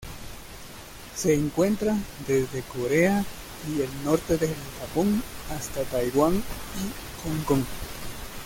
Se encuentra desde Corea y el norte del Japón hasta Taiwán y Hong Kong.